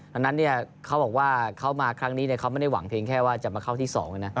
ดังนั้นเขาบอกว่าเขามาครั้งนี้เขาไม่ได้หวังเพียงแค่ว่าจะมาเข้าที่๒นะ